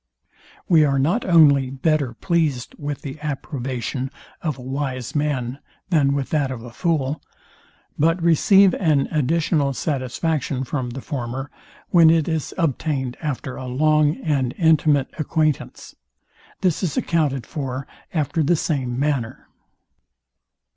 We are not only better pleased with the approbation of a wise man than with that of a fool, but receive an additional satisfaction from the former, when it is obtained after a long and intimate acquaintance. This is accounted for after the same manner.